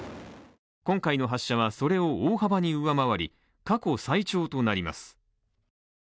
今回の発射はそれを大幅に上回り過去最長となります。